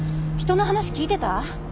人の話聞いてた？